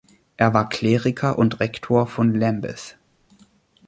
Er war Kleriker und Rektor von Lambeth.